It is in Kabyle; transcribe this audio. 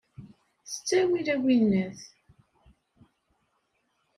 S ttawil a winnat!